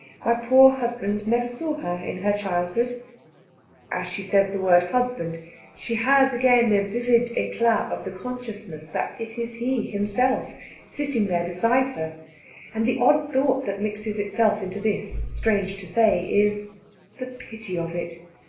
My poor husband never saw her in her childhood." As she says the word husband she has again a vivid éclat of the consciousness that it is he himself sitting there beside her. And the odd thought that mixes itself into this, strange to say, is "The pity of it!